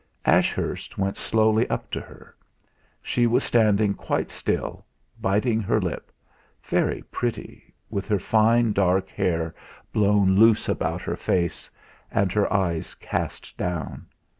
Ashurst went slowly up to her. She was standing quite still, biting her lip very pretty, with her fine, dark hair blown loose about her face, and her eyes cast down.